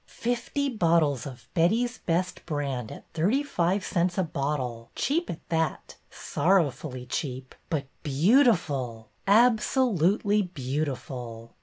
'' Fifty bottles of Betty's Best Brand at thirty five cents a bottle, cheap at that, — sorrowfully cheap, — but beautiful, absolutely beautiful